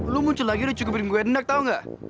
lu muncul lagi udah cukup bingung gue dendek tau gak